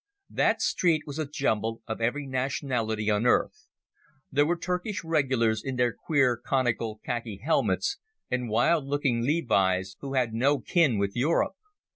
That street was a jumble of every nationality on earth. There were Turkish regulars in their queer conical khaki helmets, and wild looking levies who had no kin with Europe.